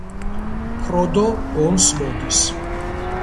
ფროდო გონს მოდის.